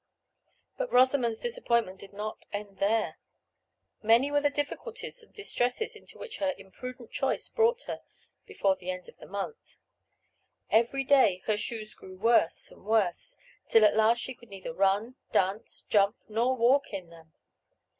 But Rosamond's disappointment did not end here. Many were the difficulties and distresses into which her imprudent choice brought her, before the end of the month. Every day her shoes grew worse and worse, till as last she could neither run, dance, jump, nor walk in them.